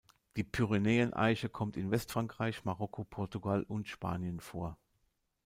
Die Pyrenäen-Eiche kommt in Westfrankreich, Marokko, Portugal und Spanien vor.